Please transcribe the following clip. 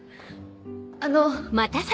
あの。